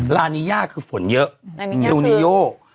ลาเนียคือฝนเยอะเอลนีโย